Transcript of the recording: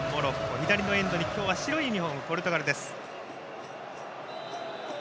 左のエンドに今日は白いユニフォームポルトガルです。